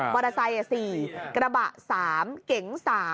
บริษัท๔กระบะ๓เก๋ง๓